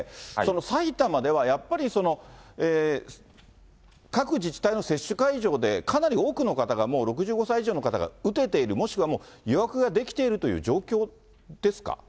埼玉ではやっぱり各自治体の接種会場で、かなり多くの方が、もう６５歳以上の方が打てている、もしくは予約ができているという状況ですか？